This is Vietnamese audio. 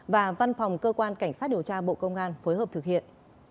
và văn phòng cơ quan cảnh sát điều tra bộ công an phối hợp thực hiện